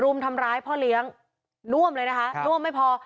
รุมทำร้ายพ่อเลี้ยงน่วมเลยนะคะน่วมไม่พอ